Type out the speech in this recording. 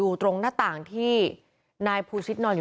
พุ่งเข้ามาแล้วกับแม่แค่สองคน